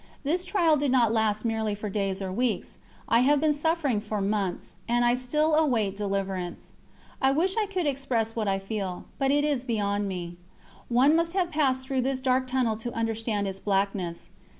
This trial did not last merely for days or weeks; I have been suffering for months, and I still await deliverance. I wish I could express what I feel, but it is beyond me. One must have passed through this dark tunnel to understand its blackness.